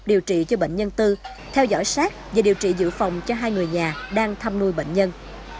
điều trị cho bệnh nhân tư theo dõi sát và điều trị dự phòng cho hai người nhà đang thăm nuôi bệnh nhân